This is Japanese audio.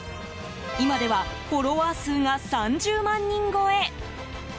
今ではフォロワー数が３０万人超え。